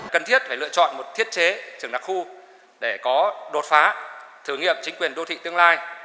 cần thiết phải lựa chọn một thiết chế trưởng đặc khu để có đột phá thử nghiệm chính quyền đô thị tương lai